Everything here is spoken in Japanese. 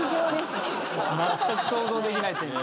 まったく想像できないという。